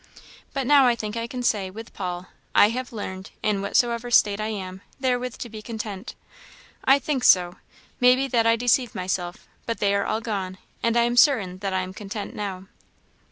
But now I think I can say, with Paul, 'I have learned, in whatsoever state I am, therewith to be content.' I think so maybe that I deceive myself; but they are all gone, and I am certain that I am content now."